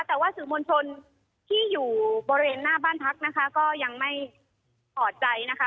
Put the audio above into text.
แต่ว่าสื่อมวลชนที่อยู่บริเวณหน้าบ้านพักนะคะก็ยังไม่พอใจนะคะ